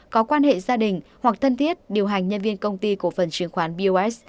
có quan hệ gia đình hoặc thân thiết điều hành nhân viên công ty cổ phần chứng khoán bos